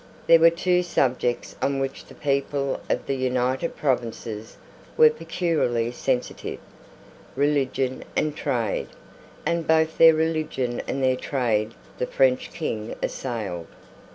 There were two subjects on which the people of the United Provinces were peculiarly sensitive, religion and trade; and both their religion and their trade the French King assailed.